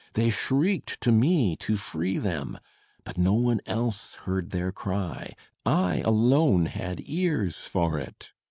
They shrieked to me to free them! But no one else heard their cry I alone had ears for it.